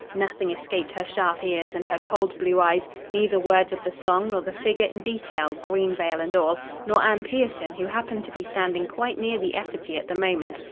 Nothing escaped her sharp ears and her cold blue eyes; neither words of the song nor the figure in detail, green veil and all; nor Anne Pierson, who happened to be standing quite near the effigy at the moment.